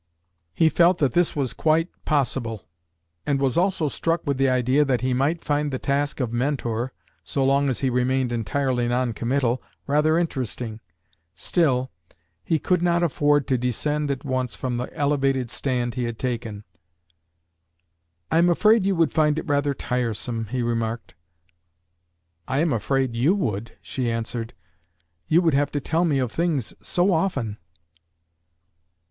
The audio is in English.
He felt that this was quite possible, and was also struck with the idea that he might find the task of mentor so long as he remained entirely non committal rather interesting. Still, he could not afford to descend at once from the elevated stand he had taken. "I am afraid you would find it rather tiresome," he remarked. "I am afraid you would," she answered. "You would have to tell me of things so often."